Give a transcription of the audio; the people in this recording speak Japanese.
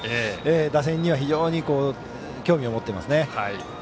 打線には非常に興味を持ってます。